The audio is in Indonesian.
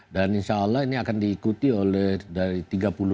insya allah ini akan diikuti oleh dari tiga puluh